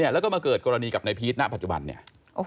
แล้วก็มาเกิดกรณีกับนายพีชนะปัจจุบันเนี่ย